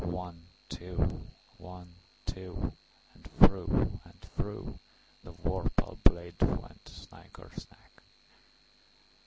One, two! One, two! And through and throughThe vorpal blade went snicker snack!